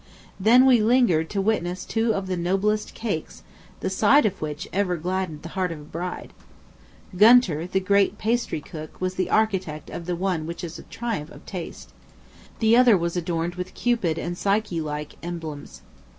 Then we lingered to witness two of the noblest cakes, the sight of which ever gladdened the heart of a bride. Gunter, the great pastry cook, was the architect of the one which was a triumph of taste. The other was adorned with Cupid and Psyche like emblems.